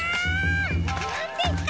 なんですか？